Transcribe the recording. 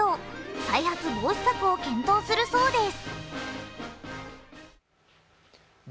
再発防止策を検討するそうです。